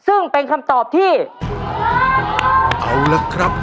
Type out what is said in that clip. เอาละครับ